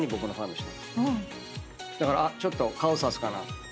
だからちょっと顔さすかな。